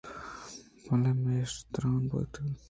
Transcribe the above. بلے میش درنہ یتک